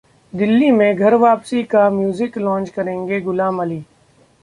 दिल्ली में 'घर वापसी' का music launch करेंगे गुलाम अली